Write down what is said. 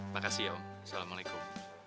makasih ya om assalamualaikum